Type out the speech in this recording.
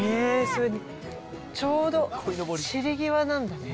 それにちょうど散り際なんだね。